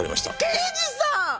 刑事さん！